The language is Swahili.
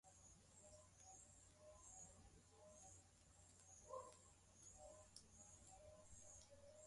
kwa madhumuni yao wenyewe wakitegemea fadhili kuegemea